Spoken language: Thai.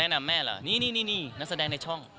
แนะนำแม่เหรอนี่นี่นี่นี่นักแสดงในช่อง